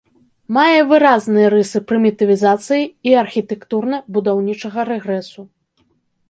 Мае выразныя рысы прымітывізацыі і архітэктурна-будаўнічага рэгрэсу.